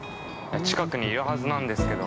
近くにいるはずなんですけど。